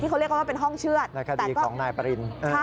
ที่เค้าเรียกว่าเป็นห้องเชื่อในคดีของนายปริน